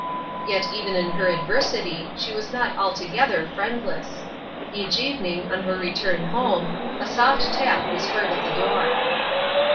Yet even in her adversity she was not altogether friendless. Each evening, on her return home, a soft tap was heard at the door.